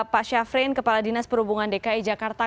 pak syafrin kepala dinas perhubungan dki jakarta